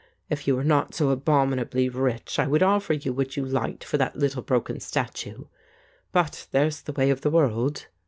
If you were not so abominably rich I would offer you what you liked for that little broken statue. But there's the way of the world